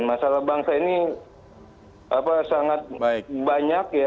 masalah bangsa ini sangat banyak ya